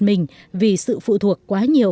mình vì sự phụ thuộc quá nhiều